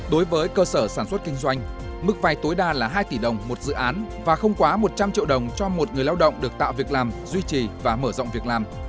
đối với cơ sở sản xuất kinh doanh mức vay tối đa là hai tỷ đồng một dự án và không quá một trăm linh triệu đồng cho một người lao động được tạo việc làm duy trì và mở rộng việc làm